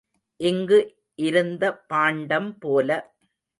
இங்கு இருந்த பாண்டம் போல.